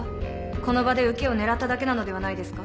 この場でウケを狙っただけなのではないですか。